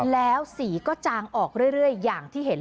แล้วสีก็จางออกเรื่อยอย่างที่เห็น